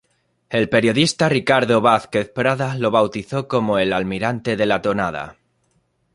El periodista Ricardo Vázquez Prada lo bautizó como El Almirante de la tonada.